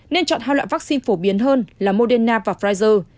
nên chọn hai loại vaccine phổ biến hơn là moderna và pfizer